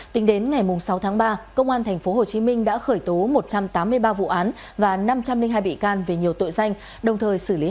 tính đến ngày sáu ba công an tp hcm đã khởi tố một trăm tám mươi ba vụ án và năm trăm linh hai bị can về nhiều tội danh